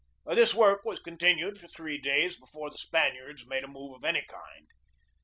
This work was continued for three days before the Spaniards made a move of any kind.